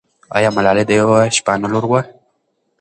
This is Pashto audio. آیا ملالۍ د یوه شپانه لور وه؟